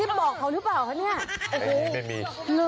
พี่นี่มีคนกระชิบบอกเขาหรือเปล่านี่